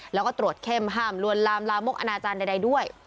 แล้วก็ตรวจเข้มห้ามลวนลามลามกอนาจารย์ใดด้วย